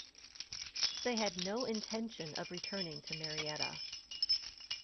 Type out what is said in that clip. They had no intention of returning to Marietta.